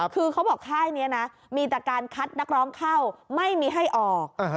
คือเขาบอกค่ายนี้นะมีแต่การคัดนักร้องเข้าไม่มีให้ออก